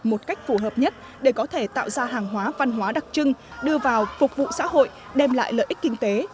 một cách phù hợp nhất để có thể tạo ra hàng hóa văn hóa đặc trưng đưa vào phục vụ xã hội đem lại lợi ích kinh tế